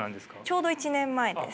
ちょうど１年前です。